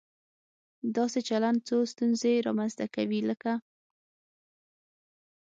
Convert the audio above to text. داسې چلن څو ستونزې رامنځته کوي، لکه